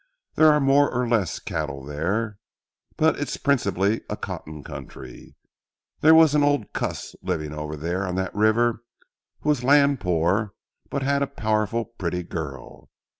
There are more or less cattle there, but it is principally a cotton country. There was an old cuss living over there on that river who was land poor, but had a powerful purty girl.